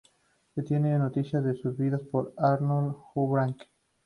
Se tienen noticias de sus vidas por Arnold Houbraken.